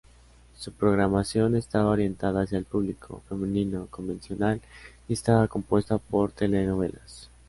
Su programación estaba orientada hacia el público femenino convencional y estaba compuesta por telenovelas.